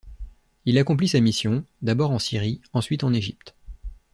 Il accomplit sa mission, d'abord en Syrie, ensuite en Égypte.